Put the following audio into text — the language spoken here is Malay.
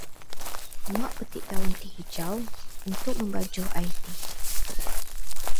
Mak petik daun teh hijau untuk membancuh air teh.